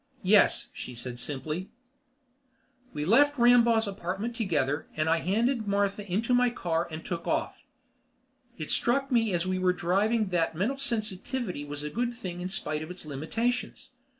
"Yes," she said simply. We left Rambaugh's apartment together and I handed Martha into my car and took off. It struck me as we were driving that mental sensitivity was a good thing in spite of its limitations.